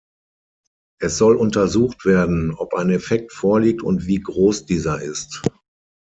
Es soll untersucht werden, ob ein Effekt vorliegt und wie groß dieser ist.